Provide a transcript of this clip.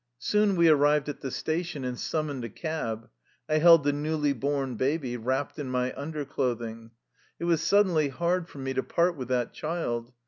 Soon we arrived at the station, and summoned a cab. I held the newly born baby, wrapped in my underclothing. It was suddenly hard for me to part with that child.